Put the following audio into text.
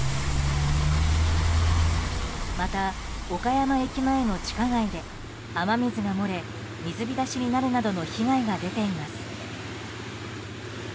また、岡山駅前の地下街で雨水が漏れ水浸しになるなどの被害が出ています。